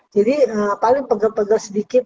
jadi paling pegel pegel sedikit